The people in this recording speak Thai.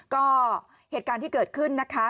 ก็เหตุการณ์ที่เกิดขึ้นนะคะ